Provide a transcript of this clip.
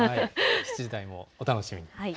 ７時台もお楽しみに。